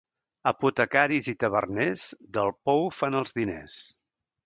Apotecaris i taverners, del pou fan els diners.